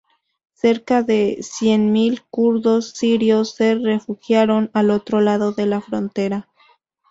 Cerca de cien mil kurdos sirios se refugiaron al otro lado de la frontera.